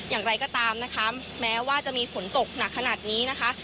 อย่างไรก็ตามนะคะแม้ว่าจะมีฝนตกหนักขนาดนี้นะคะ